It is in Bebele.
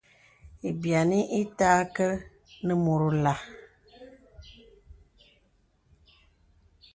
Lbīani ìtà kə nə mùt olā.